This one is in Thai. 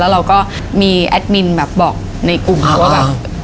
เราก็มีแอดมินแบบบอกในกลุ่มว่าแบบ